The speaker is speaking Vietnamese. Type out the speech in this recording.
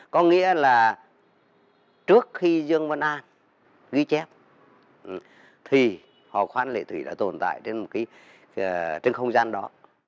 có nghĩa là trước khi dương văn an ghi chép thì hò khoan lệ thủy đã tồn tại trên không gian đó